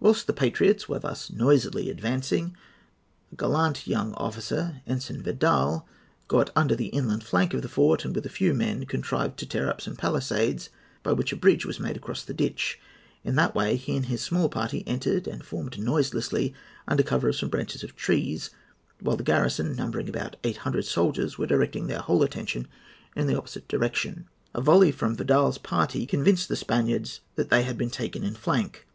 "Whilst the patriots were thus noisily advancing, a gallant young officer, Ensign Vidal, got under the inland flank of the fort, and, with a few men, contrived to tear up some pallisades, by which a bridge was made across the ditch. In that way he and his small party entered and formed noiselessly under cover of some branches of trees, while the garrison, numbering about eight hundred soldiers, were directing their whole attention in an opposite direction. "A volley from Vidal's party convinced the Spaniards that they had been taken in flank.